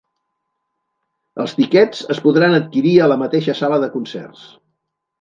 Els tiquets es podran adquirir a la mateixa sala de concerts.